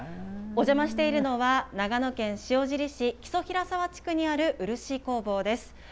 お邪魔しているのは、長野県塩尻市木曽平沢地区にある、漆工房です。